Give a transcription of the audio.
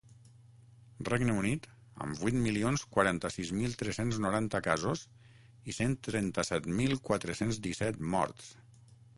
Regne Unit, amb vuit milions quaranta-sis mil tres-cents noranta casos i cent trenta-set mil quatre-cents disset morts.